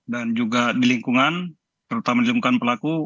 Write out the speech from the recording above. dan juga di lingkungan terutama di lingkungan pelaku